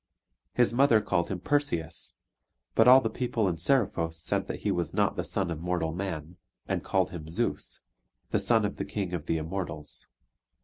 His mother called him Perseus; but all the people in Seriphos said that he was not the son of mortal man, and called him Zeus, the son of the king of the Immortals.